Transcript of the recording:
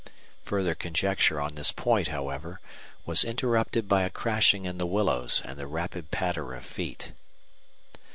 Further conjecture on this point, however, was interrupted by a crashing in the willows and the rapid patter of feet.